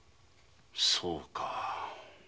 そうか。